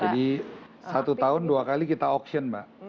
jadi satu tahun dua kali kita auction mbak